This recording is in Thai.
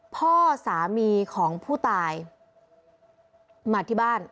พ่อสามีของผู้ตายมาที่บ้าน